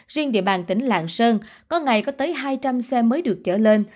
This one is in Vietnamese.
riêng địa bàn tỉnh lạng sơn có ngày có tới hai trăm linh xe mới được trở lên